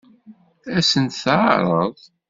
Ad sen-t-teɛṛeḍ?